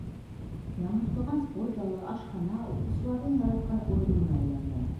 Яңыртылған спорт залы, ашхана уҡыусыларҙың яратҡан урынына әйләнгән.